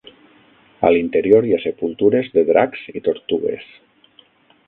A l'interior hi ha sepultures de dracs i tortugues.